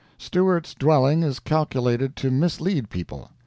Stewart's dwelling is calculated to mislead people.